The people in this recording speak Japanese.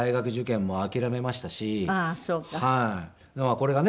これがね